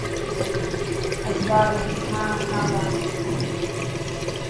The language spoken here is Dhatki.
اڄ ٻاهر روٽي کان هلا تا.